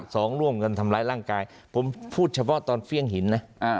ร่วมกันทำร้ายร่างกายผมพูดเฉพาะตอนเฟี่ยงหินนะ